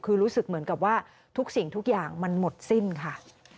คือรู้สึกเหมือนกับว่าทุกสิ่งทุกอย่างมันหมดสิ้นค่ะ